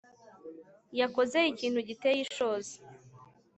Yakoze ikintu giteye ishozi